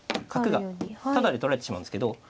角がタダで取られてしまうんですけど。